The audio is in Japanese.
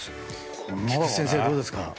菊地先生、どうですか？